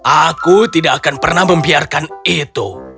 aku tidak akan pernah membiarkan itu